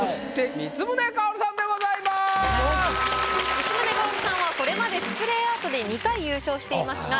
光宗薫さんはこれまでスプレーアートで２回優勝していますが。